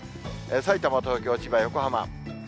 さいたま、東京、千葉、横浜。